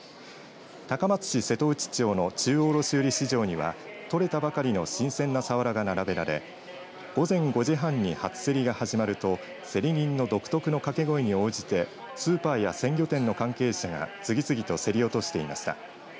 高松市瀬戸内町の中央卸売市場には捕れたばかりの新鮮なサワラが並べられ午前５時半に初競りが始まると競り人の独特のかけ声に応じてスーパーや鮮魚店の関係者が次々と競り落としていました。